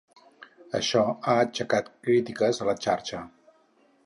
Això ha aixecat crítiques a la xarxa.